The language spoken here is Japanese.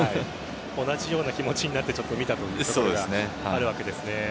同じような気持ちになって見たということがあるわけですね。